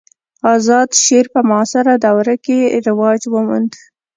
آزاد شعر په معاصره دوره کښي رواج وموند.